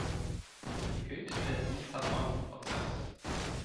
Hier gilt der Lissabon-Prozess.